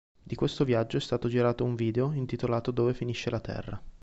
Di questo viaggio è stato girato un video intitolato "Dove finisce la terra".